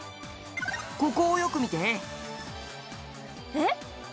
ここを、よく見てえっ！